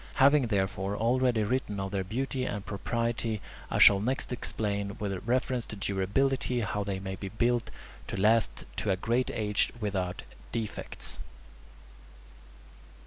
Having, therefore, already written of their beauty and propriety, I shall next explain, with reference to durability, how they may be built to last to a great age without defects.